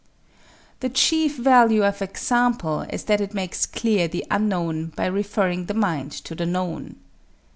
The chief value of example is that it makes clear the unknown by referring the mind to the known.